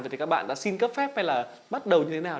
thì các bạn đã xin cấp phép hay là bắt đầu như thế nào